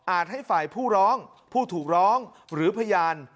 ให้ฝ่ายผู้ร้องผู้ถูกร้องหรือพยาน